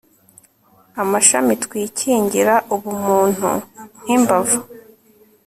Amashami twikingira Ubumuntu nkimbavu